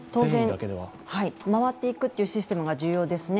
当然、回っていくというシステムが重要ですね。